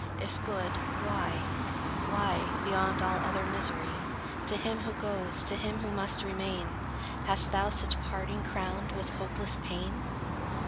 If good, why, why, Beyond all other misery, To him who goes, to him who must remain, Hast thou such parting crowned with hopeless pain?